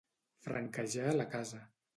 Franquejar la casa.